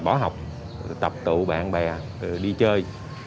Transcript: bỏ học tập tụ bạn bè đi chơi